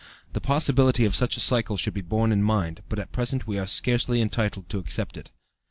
The possibility of such a cycle should be borne in mind, but at present we are scarcely entitled to accept it.